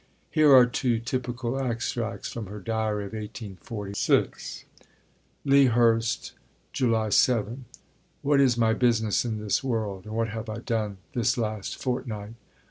Here are two typical extracts from her diary of 1846: LEA HURST, July 7. What is my business in this world and what have I done this last fortnight?